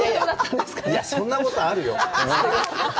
いや、そんなことあるよ。